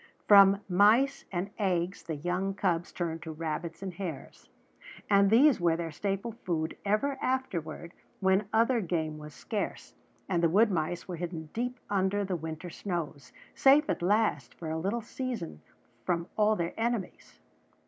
From mice and eggs the young cubs turned to rabbits and hares; and these were their staple food ever afterward when other game was scarce and the wood mice were hidden deep under the winter snows, safe at last for a little season from all their enemies.